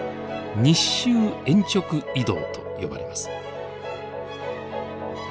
日周鉛直移動と呼ばれます。